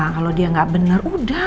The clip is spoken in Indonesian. kalau dia nggak benar udah